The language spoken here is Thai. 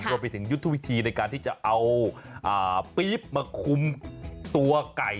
รวมไปถึงยุทธวิธีในการที่จะเอาปี๊บมาคุมตัวไก่